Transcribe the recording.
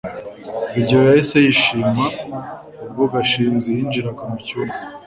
rugeyo yahise yishima ubwo gashinzi yinjiraga mucyumba